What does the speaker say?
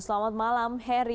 selamat malam heri